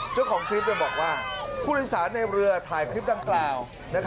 เจ้าของคลิปบอกว่าผู้โดยสารในเรือถ่ายคลิปดังกล่าว